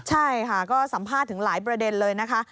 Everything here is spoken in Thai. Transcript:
ใช่ค่ะก็สัมภาษณ์ถึงหลายประเด็นเลยนะคะ